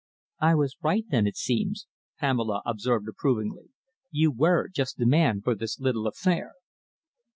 "I was right, then, it seems," Pamela observed approvingly. "You were just the man for this little affair."